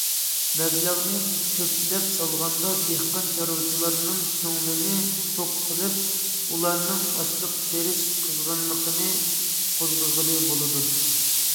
مەبلەغنى كۆپلەپ سالغاندا، دېھقان، چارۋىچىلارنىڭ كۆڭلىنى توق قىلىپ، ئۇلارنىڭ ئاشلىق تېرىش قىزغىنلىقىنى قوزغىغىلى بولىدۇ.